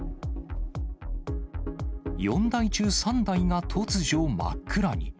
４台中３台が突如、真っ暗に。